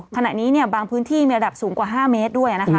ขณะนี้บางพื้นที่มีระดับสูงกว่า๕เมตรด้วยนะคะ